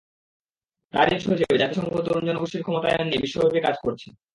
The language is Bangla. তারই অংশ হিসেবে জাতিসংঘ তরুণ জনগোষ্ঠীর ক্ষমতায়ন নিয়ে বিশ্বব্যাপী কাজ করছে।